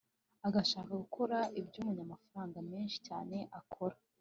agashaka gukora ibyo umunyamafaranga menshi cyane akora